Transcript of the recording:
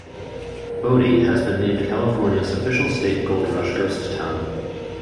Bodie has been named California's official state gold rush ghost town.